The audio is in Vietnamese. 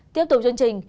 tiếp tục chương trình